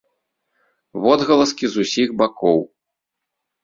Водгаласкі з усіх бакоў.